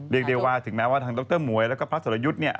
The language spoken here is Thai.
เดี๋ยวถึงแม้ว่าทางดรหมวยแล้วก็พระสวรรยุฑเนี่ย